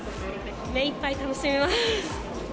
目いっぱい楽しみます。